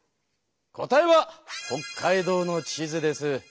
答えは北海道の地図です。